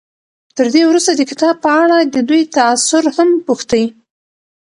تر دې وروسته د کتاب په اړه د دوی تأثر هم پوښتئ.